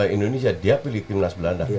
indonesia dia pilih timnas belanda